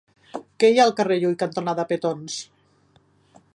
Què hi ha al carrer Llull cantonada Petons?